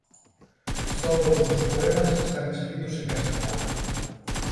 Só dous dos poemas están escritos en castelán.